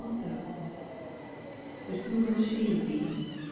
But who will she be?"